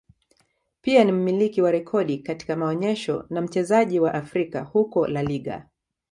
pia ni mmiliki wa rekodi katika maonyesho na mchezaji wa Afrika huko La Liga